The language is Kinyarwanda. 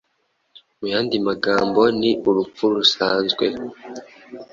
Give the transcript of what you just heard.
Mu yandi magambo ni urupfu rusanzwe.”